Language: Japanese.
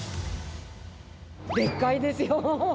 でっかいですよ。